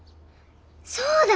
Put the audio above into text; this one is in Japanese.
そうだ！